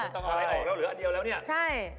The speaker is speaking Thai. ก็เหลืออันเดียวแล้วเนี่ย